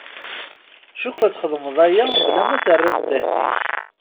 Cukkeɣ txedmeḍ aya mebla ma terriḍ ddehn-ik.